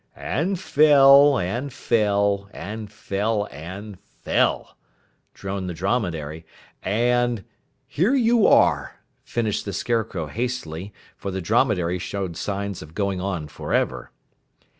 "And fell and fell and fell and fell," droned the Dromedary, "And " "Here you are," finished the Scarecrow hastily, for the Dromedary showed signs of going on forever.